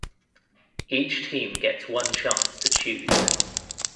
Each team gets one chance to choose.